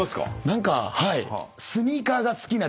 何かはい。